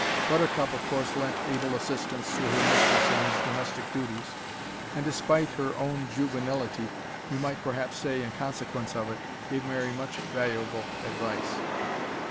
Buttercup of course lent able assistance to her mistress in these domestic duties, and, despite her own juvenility we might perhaps say, in consequence of it gave Mary much valuable advice.